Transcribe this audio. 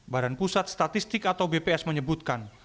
badan pusat statistik atau bps menyebutkan